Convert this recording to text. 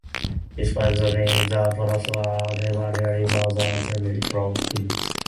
Despite the name, the Pros were never really more than a semi-pro team.